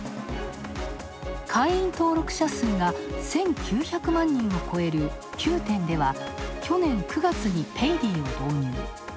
会員登録者数が１９００万人を超える、Ｑｏｏ１０では去年９月にペイディを導入。